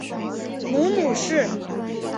母母氏。